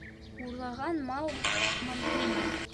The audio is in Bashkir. Урлаған мал мантымай.